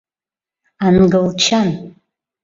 Ангылчан